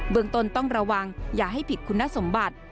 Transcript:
เมืองต้นต้องระวังอย่าให้ผิดคุณสมบัติ